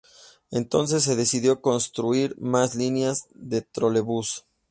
Entonces, se decidió construir más líneas de trolebús.